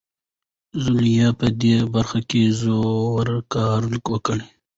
ژوليا په دې برخه کې ژور کار وکړ.